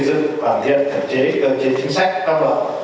cơ chế chính sách tăng lợi